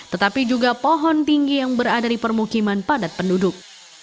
tetapi juga pohon tinggi yang berada di permukiman padat penduduk